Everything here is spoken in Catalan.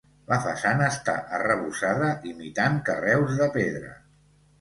La façana està arrebossada imitant carreus de pedra.